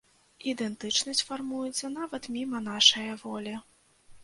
Ідэнтычнасць фармуецца, нават міма нашае волі.